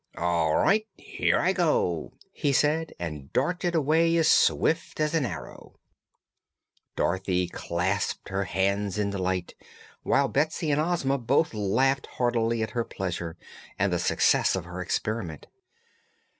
"All right. Here I go!" he said, and darted away as swift as an arrow. Dorothy clapped her hands in delight, while Betsy and Ozma both laughed heartily at her pleasure and the success of her experiment.